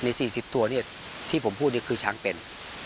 ๔๐ตัวที่ผมพูดนี่คือช้างเป็น